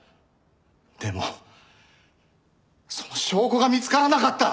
でもその証拠が見つからなかった。